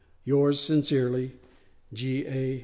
Yours sincerely, G. A.